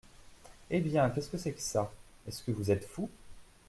Eh bien, qu’est-ce que c’est que ça ? est-ce que vous êtes fou ?